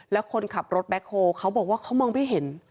แล้วคนขับรถแบ็คโฮลเขาบอกว่าเขามองไม่เห็น